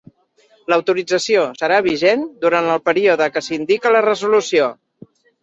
L'autorització serà vigent durant el període que s'indica a la resolució.